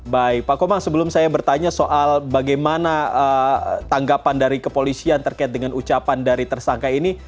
baik pak komang sebelum saya bertanya soal bagaimana tanggapan dari kepolisian terkait dengan ucapan dari tersangka ini